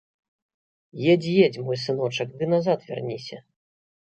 Едзь, едзь, мой сыночак, ды назад вярніся.